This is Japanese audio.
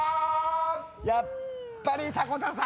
やっぱり迫田さん。